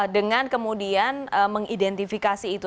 dengan kemudian mengidentifikasi itu